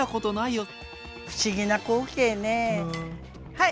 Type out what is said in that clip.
はい。